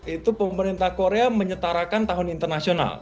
itu pemerintah korea menyetarakan tahun internasional